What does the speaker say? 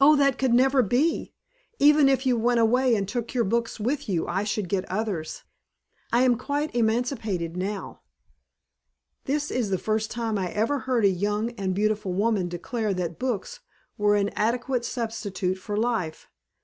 "Oh, that could never be! Even if you went away and took your books with you I should get others. I am quite emancipated now." "This is the first time I ever heard a young and beautiful woman declare that books were an adequate substitute for life.